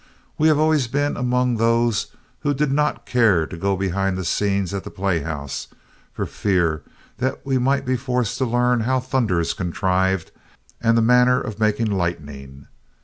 We have always been among those who did not care to go behind the scenes at the playhouse for fear that we might be forced to learn how thunder is contrived and the manner of making lightning.